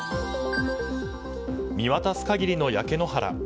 見渡す限りの焼け野原。